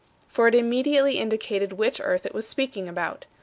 For it immediately indicated which earth it was speaking about.